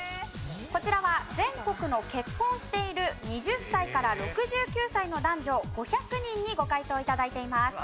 こちらは全国の結婚している２０歳から６９歳の男女５００人にご回答頂いています。